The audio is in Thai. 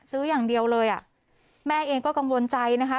ซื้ออย่างเดียวเลยอ่ะแม่เองก็กังวลใจนะคะ